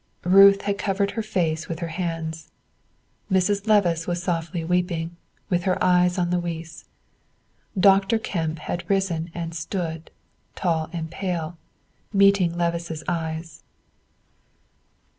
Ruth had covered her face with her hands. Mrs. Levice was softly weeping, with her eyes on Louis. Dr. Kemp had risen and stood, tall and pale, meeting Levice's eyes.